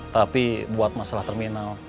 tapi buat masalah terminal